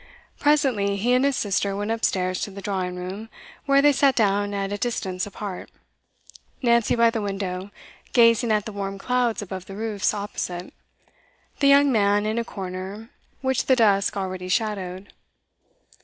Presently he and his sister went upstairs to the drawing room, where they sat down at a distance apart Nancy by the window, gazing at the warm clouds above the roofs opposite, the young man in a corner which the dusk already shadowed.